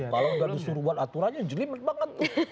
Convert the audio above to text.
kalau nggak disuruh buat aturannya jelimet banget tuh